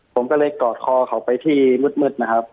ผมก็เลยกอดคอเขาไปที่มืดนะครับ